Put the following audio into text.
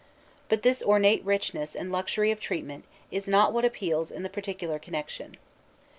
But this ornate richness and luxury of treat ment is not what appeals in the particular connection.